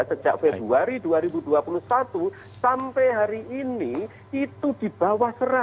sejak februari dua ribu dua puluh satu sampai hari ini itu di bawah seratus